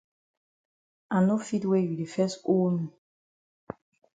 I no fit wey you di fes owe me.